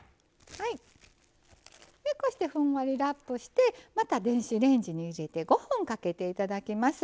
こうしてふんわりラップしてまた電子レンジに入れて５分かけて頂きます。